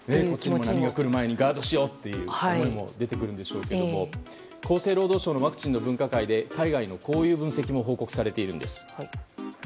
波がくる前にガードしようということにもなるんでしょうけれども厚生労働省のワクチンの分科会で海外のこういう分析も報告されているんです。